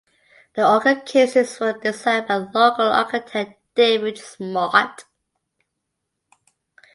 The organ cases were designed by local architect David Smart.